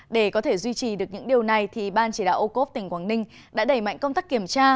để có thể duy trì được những điều này ban chỉ đạo ô cốp tỉnh quảng ninh đã đẩy mạnh công tác kiểm tra